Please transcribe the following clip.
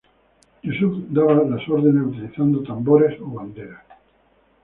Yusuf daba las órdenes utilizando tambores o banderas.